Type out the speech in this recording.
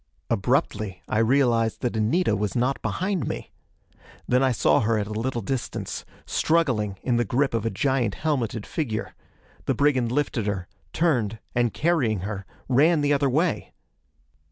Abruptly I realized that Anita was not behind me! Then I saw her at a little distance, struggling in the grip of a giant helmeted figure! The brigand lifted her turned, and, carrying her, ran the other way!